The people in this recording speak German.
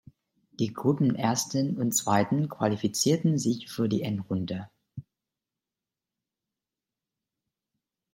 Die Gruppenersten und -zweiten qualifizierten sich für die Endrunde.